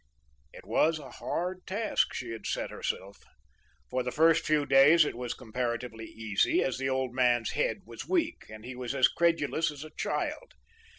"It was a hard task she had set herself. For the first few days it was comparatively easy, as the old man's head was weak, and he was as credulous as a child.